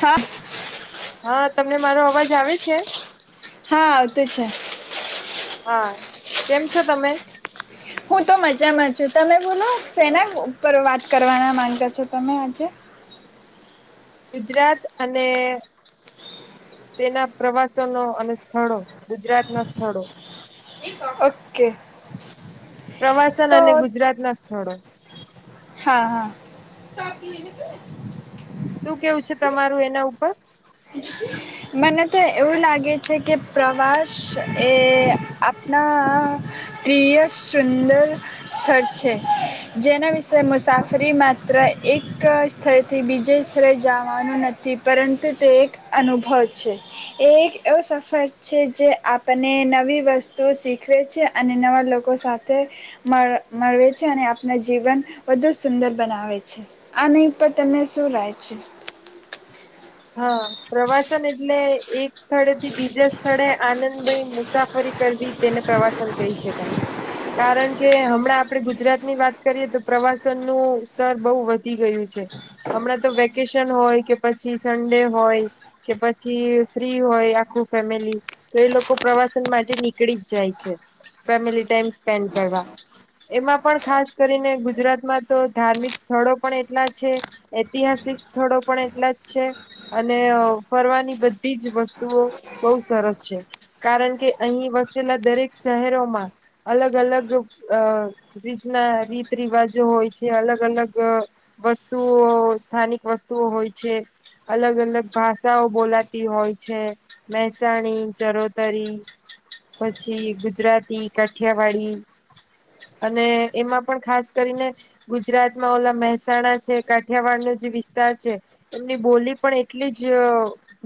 હા હા તમને મારો અવાજ આવે છે. હા આવતું છે. હા કેમ છો તમે હું તો મજામાં છું તમે બોલો સેના ઉપર વાત કરવાના માંગ્યા છો તમે આજે ગુજરાત અને તેના પ્રવાસો ન અને સ્થળો ગુજરાત ના સ્થળો ઓકે પ્રવાસન તો અને ગુજરાત ના સ્થળો હા હા. શું કેવું છે તમારું એના ઉપર મને તો એવું લાગે છે કે પ્રવાસ એ આપણા પ્રિય સુંદર સ્થળ છે જેના વિશે મુસાફરી માત્ર એક સ્થળથી બીજે સ્થરે જવાનું નથી પરંતુ તે એક અનુભવ છે એ એક એવો સફર છે જે આપને નવી વસ્તુ શીખવે છે અને નવા લોકો સાથે મળ મળવે છે અને આપના જીવન વધુ સુંદર બનાવે છે આની ઉપર તને શું રાય છે હા પ્રવાસન એટલે એક સ્થળેથી બીજા સ્થળે આનંદભાઈ મુસાફરી કરવી તેને પ્રવાસન કહી શકાય કારણ કે આપણા આપણે ગુજરાતની વાત કરીએ તો પ્રવાસનનું સ્તર બહુ વધ ધી ગયું છે હમણાં તો વકેશન હોય કે પછી પછ સન્ડે હોય કે પછી ફ્રી હોય આખું ફેમિલી તો એ લોકો પ્રવાસન માટે નીકળી જ જાય છે ફેમિલી ટાઈમ સ્પેન્ડ કરવા એમાં પણ ખાસ કરીને ગુજરાતમાં તો ધાર્મિક સ્થળો પણ એટલા છે ઐતિહાસિક સ્થળો પણ એટલા અને ફરવાની બધી જ વસ્તુઓ બહુ સરસ છે કારણ કે અહીં વસેલા દરેક શહેરોમાં અલગ અલગ અ રીતના રીત રિવાજો હોય છે અલગ અલગ વસ્તુઓ સ્થાનિક વસ્તુઓ હોય છે. અલગ અલગ ભાષાઓ બોલાતી હોય છે મહેસાણી, ચરોતરી પછી ગુજરાતી, કાઠિયાવાડી અને એમાં પણ ખાસ કરીને ગુજરાતમાં ઓલા મહેસાણા છે કાઠિયાવાડનો જે વિસ્તાર છે ની બોલી પણ એટલી જ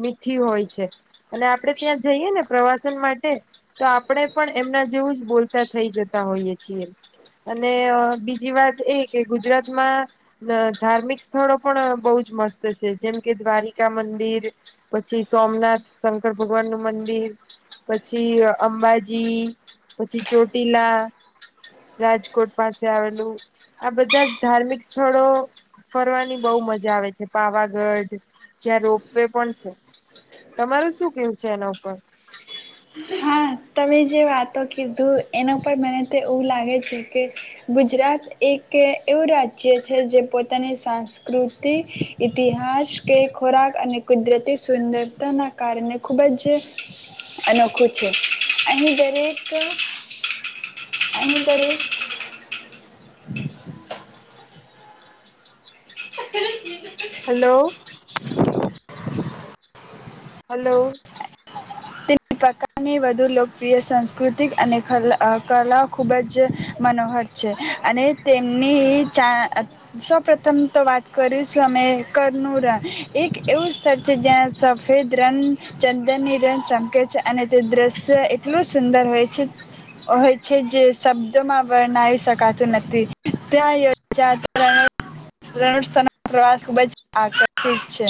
મીઠી હોય છે અને આપણે ત્યાં જઈએ ને પ્રવાસન માટે તો આપણે પણ એમના જેવું જ બોલતા થઈ જતા હોઈએ છીએ અને બીજી વાત એ કે ગુજરાતમાં ધાર્મિક સ્થળો પણ બહુ જ મસ્ત જેમ કે દ્વારિકા મંદિર પછી સોમનાથ શંકર ભગવાન નું મંદિર પછી અંબાજી પછી ચોટીલા રાજકોટ પાસે આવેલું આ બધા જ ધાર્મિક સ્થળો ફરવાની બહુ મજા આવે છે પાવાગઢ જ્યાં રોપ વે પણ છે તમારું શું કેવું છે એના ઉપર હા તમે જે વાતો કીધું એના પર મને તો એવું લાગે છે કે ગુજરાત એક એવું રાજ્ય છે જે પોતાની સાંસ્કૃતિ, ઇતિહાસ કે, ખોરાક અને કુદરતી સુંદરતાના કારણે ખૂબ જ અનોખું છે અહીની દરેક અહીની દરેક હલો હલો વધુ લોકપ્રિય સાસ્કૃતિક અને ખલા અ કલા ખુબ જ મનોહર છે અને તેમની ચા સૌ પ્રથમ તો વાત કરી છું અમે કરનું રન એક એવું સ્થળ છે જ્યાં સફેદ રન ચંદનની જેમ ચમકે અને તે દ્રશ્ય એટલું સુંદર હોય છે હોય છે જે શબ્દમાં વર્ણવી શકાતું નથી ત્યાં યોજા તા પ્રવાસ ખૂબ આષિત છે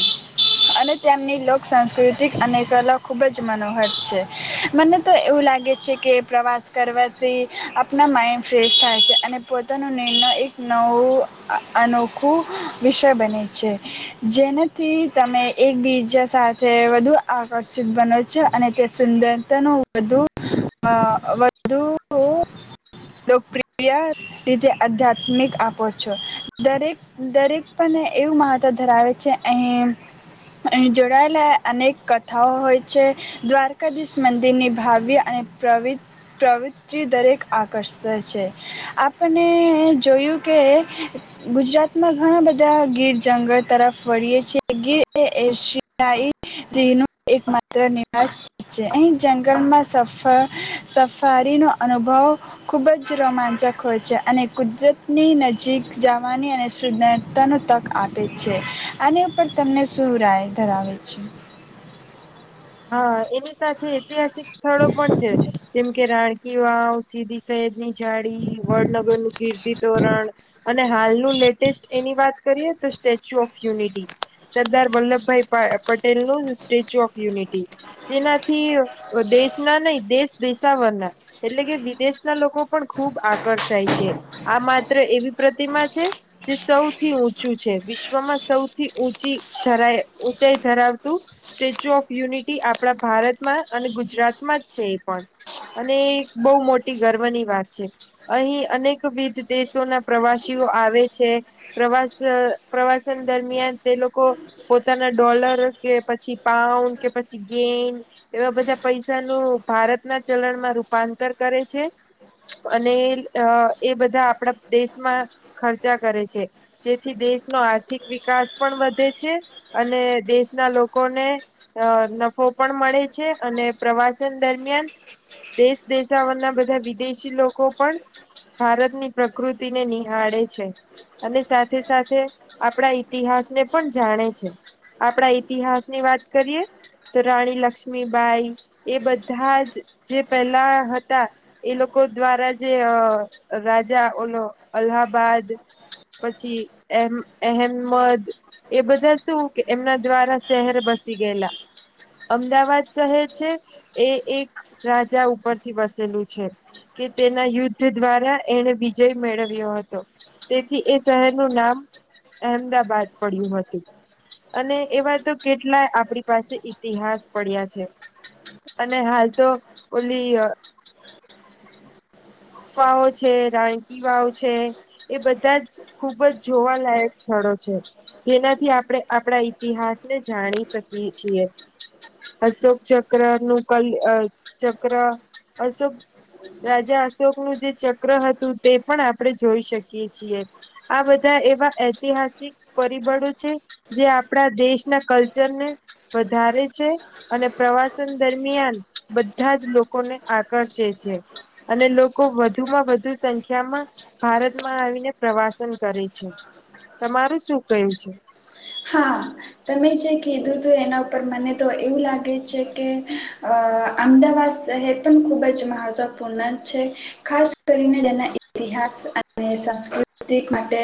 અને તેમની લોક સંસ્કૃતિ અને કલા ખુબ જ મનો છે મને તો એવું લાગે છે કે પ્રવાસ કરવાથી આપણા માઇન્ડ ફ્રેશ થાય છે અને પોતાનો નિર્ણય એક નવો અનોખું વિષય બને છે જેનાથી તમે એકબીજા સાથે વધુ આકર્ષિત બનો છો અને તે સુંદરતાનું વધુ અ વધુ લોકપ્રિય રીતે આધ્યાત્મિક આપો છો દરેક દરેક પણને એવું મહત્વ ધરાવે છે અહીં અહી જોડાયેલા અનેક કથાઓ હોય છે દ્વારકાધીશ મંદિર ની ભાવ્ય અને પ્રવી પ્રવતિ દરેક આકર્ષ છે આપણે જોયું કે ગુજરાતમાં ઘણા બધા ગીર જંગલ તરફ વળીએ છેએ ગીરએ શિકઈ જીવનો એકમાત્ર છે અહીં જંગલમાં સફારી સફારીનો અનુભવ ખૂબ જ રોમાંચક હોય છે અને કુદરતની નજીક જવાની અને સદરતાનો તક આપે છે આની ઉપર તમને શું રાય ધરાવે છે હા એની સાથે ઐતિહાસિક સ્થળો પણ છે જેમ કે રાણ કિવા ઓ સીબી સે ની જાડી વડનગર નું કીર્ત તોરણ અને હાલનું લેટેસ્ટ એની વાત કરીએ તો statue of unity Sardar Vallabhbhai પા પટેલનું સ્ટેચ્યુ ઓફ યુનિટી જેનાથી દેશના નહી દેશ દિેશાવરના એટલે કે વિદેશના લોકો પણ ખુબ આકર્ષાય છે આ માત્ર એવી પ્રતિમા છે જે સૌથી ઊંચું છે વિશ્વમાં સૌથી ઉંચી ધારાય ઊંચાઈ ધરાવતું સ્ટેચ્યુ ઓફ યુનિટી આપણા ભારતમાં અને ગુજરાતમાં જ છે એ પણ અને બહુ મોટી ગર્વની વાત છે અહીં અનેકવિધ દેશોના પ્રવાસીઓ આવે છે પ્રવાસ પ્રવાસન દરમિયાન તે લોકો પોતાના ડોલર કે પછી પાઉન્ડ કે પછી ગેન એવા બધા પૈસાનું ભારતના ચલણમાં રૂપાંતર કરે છે અને એ બધા આપણા દેશમાં ખર્ચા કરે છે જેથી દેશનો આર્થિક વિકાસ પણ વધે છે અને દેશના લોકોને અ નફો પણ મળે છે અને પ્રવાસન દરમિયાન દેશ દેશવારના બધા વિદેશી લોકો પણ ભારતની પ્રકૃતિને નિહાળે છે અને સાથે સાથે આપણા ઈતિહાસને પણ જાણે છે આપણા ઈતિહાસની વાત કરીએ તો રાણી લક્ષ્મીબાઈ એ બધા જ જે પહેલા હતા એ લોકો દ્વારા જે અ રાજા ઓનો અલ્હાબાદ પછી અહ અહેમદ એ બધા શું કે એમના દ્વારા શહેર બસી ગેલા અમદાવાદ શહેર છે એ એક રાજા ઉપરથી વસેલું છે કે તેના યુદ્ધ દ્વારા એને વિજય મેળવ્યો હતો તેથી એ શહેરનું નામ અહેમદાબાદ પડ્યું હતું અને એવા તો કેટલાય આપ આપડી પાસે ઈતિહાસ પડ્યા છે અને હાલ તો ઓલી ગુફા ઓ છે રાણકી વાવ છે એ બધા જ ખુબ જ જોવાલાયક સ્થળો છે જેનાથી આપણે આપણા ઈતિહાસને જાણી શકીએ છીએ અશોક ચક્ર નું કલ ચક્ર અશોક જે અશોકનું જે ચક્ર હતું તે પણ આપણે જોઈ શકીએ છીએ આ બધા એવા ઐતિહાસિક પરિબળો છે જે આપણા દેશના કલ્ચરને વધારે છે અને પ્રવાસન દરમિયાન બધા જ લોકોને આકર્ષે છે અને લોકો વધુમાં વધુ સંખ્યામાં ભારતમાં આવીને પ્રવાસન કરે છે તમારું શું કહું છે હા તમે જે કીધું હતું એના ઉપર મને તો એવું લાગે છે કે અ અમદાવાદ શહેર પણ ખુબ જ મહત્વપૂર્ણ છે ખાસ કરીને તેના ઇતિહાસ અને સાસ્કૃતિક માટે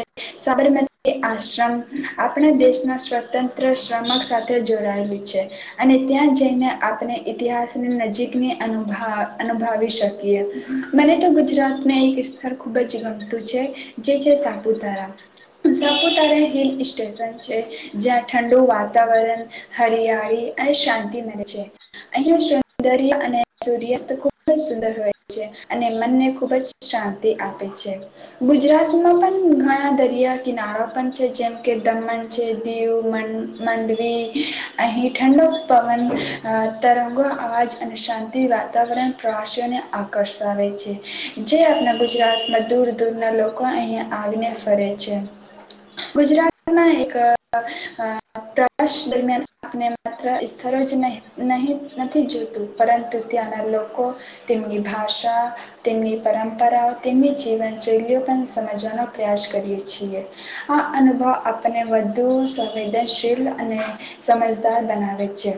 સાબરમતી આશ્રમ આપણે દેશના સ્વતંત્ર શ્રમક સાથે જોડાયેું છે અને ત્યાં જઈને આપણે ઈતિહાસની નજીકની અનુભ અનુભાવ શકીએ મને તો ગુજરાતને એક સ્થળ ખુબ જ ગમતું છે જે છે સાપુતારા સાપુતારા હિલ સ્ટેશન જ્યાં ઠંડુ વાતાવરણ હરિયાળી અને શાંતિ મળને છે અહિયાં સૌંદર્ય અને સૂર્યાસ્ત ખૂબ જ સુંદર હોય છે અને મનને ખુબ જ શાંતિ આપે છે ગુજરાતમાં પણ ઘણા દરિયા કિનારા પણ છે જેમ કે દમન દીવ મંડવી અહી ઠંડો પવન અ તરંગો અવાજ અને શાંતિ વાતાવરણ પ્રવાસીઓને આકર્ષાવે છે જે આપણા ગુજરાતમાં દૂર દૂર ના લોકો અહીં આવીને ફરે છે ગુજરાત મા અ પ્રવાસ દરમિયાન આપણે માત્ર સ્થળ જ નહી નહી નથી જોતું પરંતુ ત્યાંના લોકો તેમની ભાષા તેમની પરંપરાઓ તેમની જીવનશૈલીઓ પણ સમજવાનો પ્રયાસ કરીયે છીએ આ અનુભવ આપણને વધુ સંવેદનશીલ અને સમજદાર બનાવે છે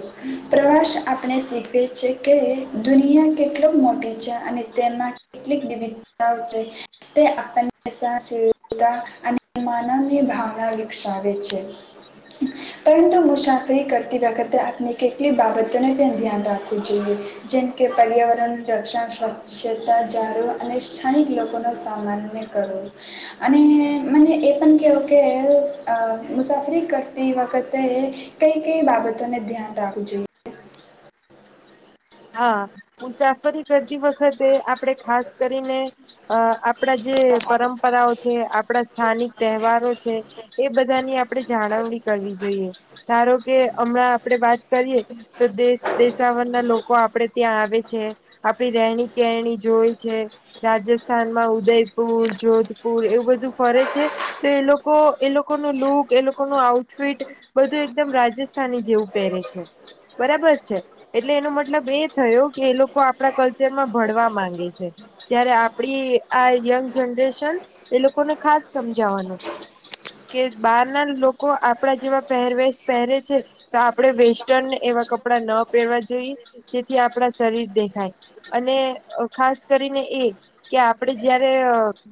પ્રવાસ આપણે શીખવી છી કે દુનિયા કેટલોક મોટી છે અને તેમાં કેટલીક વિવિધતાઓ છે તે આપણનેતા અને માનવની ભાવના વિકસાવે છે પરંતુ મુસાફરી કરતી વખતે આપણે કેટલીક બાબતોને પણ ધ્યાન રાખવું જોઈએ જેમ કે પર્યાવરણ રક્ષણ સ્વચ્છતા જાળો અને સ્થાનિક લોકો ન સામાન કરવો અને મને એ પણ કેવો કે મુસાફરી કરતી વખતે કઈ કઈ બાબતોને ધ્યાન રાખવું જોઈએ હા મુસાફરી કર તી વખતે આપણે ખાસ કરીને અ આપ આપણા જે પરંપરાઓ છે આપણા સ્થાનિક તહેવારો છે, એ બધાની આપણેે જાળવણી કરવી જોઈએ. ધારો કે, હમણાં આપડે વાત કરીએ તો દેશ-દેશાવરના લોકો લોકો આપડે ત્યાં આવે છે, આપડી રહેણી-કેરણી જોય છે, રાજસ્થાનમાં ઉદયપુર, જોધપુર એવું બધું ફરે છે, તો એ લોકો એ લોકોનું લુક, એ લોકોનું આઉટફિટ બધું એકદમ રાજસ્થાની જેવું પહેરે છે. બરાબર છે, એટલે એનું મતલબ એ થયો કે એ લોકો આપણા કલ્ચર માં ભળવા માંગે છે, જ્યારે આપડી આ યંગ જનરેશન એ લોકોને ખાસ સમજાવાનું કે બહાર ના લોકો આપડા જેવા પહેરવેશ પહેરે છે, તો આપણે વેસ્ટર્ન એવા કપડા ન પહેરવા જોઈએ. જેથી આપણા શરીર દેખાય, અને ખાસ કરીને એ કે આપણેે જયારે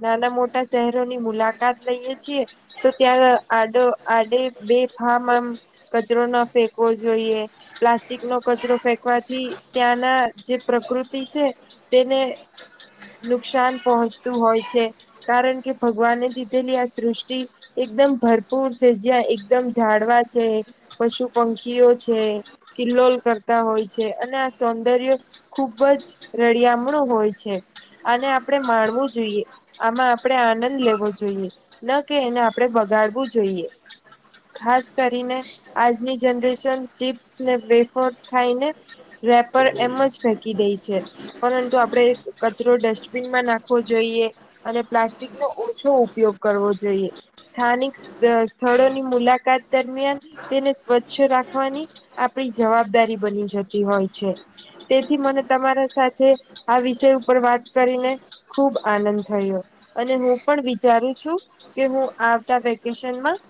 નાના-મોટા શહેરોની મુલાકાત લઈએ છીએ, તો ત્યાં આડો-આડે બે ફામ આમ કચરો ન ફેંકવો જોઈએ, પ્લાસ્ટિક નો કચરો ફેંકવાથી થી ત્યાંના જે પ્રકૃતિ છે તેને નુકસાન પહોંચતું હોય છે, કારણ કે ભગવાને દીધેલી આ સૃષ્ટિ એકદમ ભરપૂર છે, જ્યાં એકદમ ઝાડવા છે, પશુ-પંખીઓ છે, કિલ્લોલ કરતા હોય. છે આ સૌંદર્ય ખુબ જ રળિયામણું હોય છે, આને આપણે માણવું જોઈએ, આમાં આપણે આનંદ લેવો જોઈએ, ન કે એને આપણે બગાડવું જોઈએ, ખાસ કરીને આજની જનરેશન ચીપ્સ ને વફર્સ ખાઈને. રેપર એમ જ ફેંકી દે છે, પરંતુ આપણે કચરો ડસ્ટબીનમાં નાખવો જોઈએ અને પ્લાસ્ટિક નો ઓછો ઉપયોગ કરવો જોઈએ. સ્થાનિક સ્થળોની મુલાકાત દરમિયાન તેને સ્વચ્છ રાખવાની આપણી જવાબદારી બની જતી. તેથી મને તમારા સાથે આ વિષય ઉપર વાત કરીને ખુબ આનંદ થયો, અને હું પણ વિચારું છું કે હું આવતા વેકેશનમાં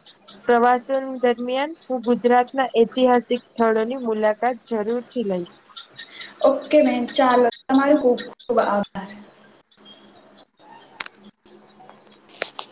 પ્રવાસન દરમિયાન હું ગુજરાતના ઐતિહાસિક સ્થળોની મુલાકાત જરૂર. લઈશ. ઓકે મેમ, ચાલો. તમારો ખૂબ ખૂબ આભાર.